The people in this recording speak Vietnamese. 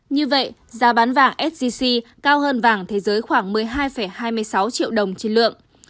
như vậy giá bán vàng sgc cao hơn vàng thế giới khoảng một mươi hai hai mươi sáu triệu đồng trên lượng